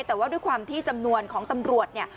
แต่ว่าด้วยความที่จำนวนของตำรวจเนี่ย